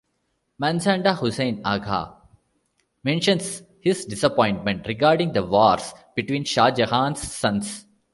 Manzada Husain Agha mentions his disappointment regarding the wars between Shah Jahan's sons.